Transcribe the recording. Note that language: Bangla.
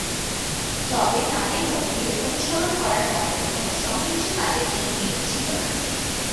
তবে তাদের মধ্যে অনুসরণ করার মতো কোনো সহিংস কাজের ইঙ্গিত ছিলনা।